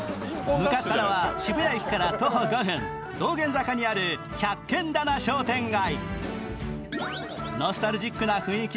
向かったのは渋谷駅から徒歩５分道玄坂にある百軒店商店街。